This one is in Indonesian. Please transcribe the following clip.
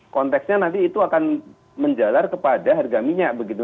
konteksnya nanti itu akan menjalar kepada harga minyak begitu